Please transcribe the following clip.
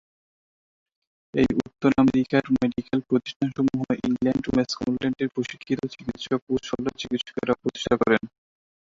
এই উত্তর আমেরিকার মেডিক্যাল প্রতিষ্ঠানসমূহ ইংল্যান্ড ও স্কটল্যান্ডের প্রশিক্ষিত চিকিৎসক ও শল্য চিকিৎসকেরা প্রতিষ্ঠা করেন।